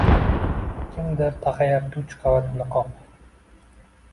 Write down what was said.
Kimdir taqayapti uch qavat niqob.